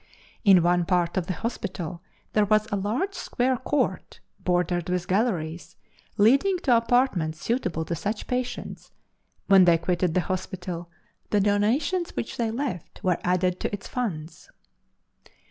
In one part of the hospital there was a large square court, bordered with galleries leading to apartments suitable to such patients; when they quitted the hospital the donations which they left were added to its funds.